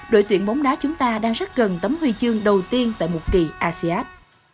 đội tuyển bóng đá chúng ta đang rất gần tấm huy chương đầu tiên tại một kỳ asean